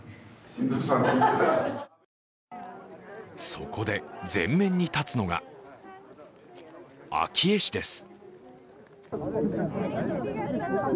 そこで前面に立つのが昭恵氏です。